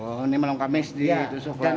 oh ini malam kamis dia itu soalnya